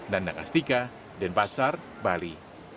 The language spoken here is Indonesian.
nanda kastika denpasar bali